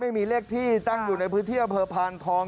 ไม่มีเลขที่ตั้งอยู่ในพื้นที่อำเภอพานทอง